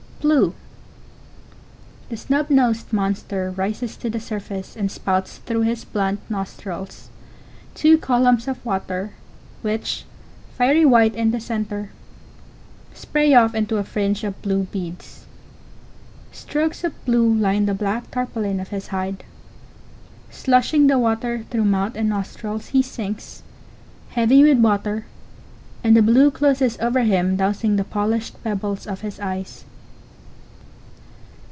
BlueThe snub nosed monster rises to the surface and spouts through his blunt nostrils two columns of water, which, fiery white in the centre, spray off into a fringe of blue beads. Strokes of blue line the black tarpaulin of his hide. Slushing the water through mouth and nostrils he sings, heavy with water, and the blue closes over him dowsing the polished pebbles of his eyes.